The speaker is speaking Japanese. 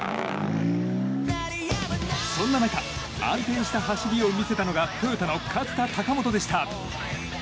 そんな中安定した走りを見せたのがトヨタの勝田貴元でした。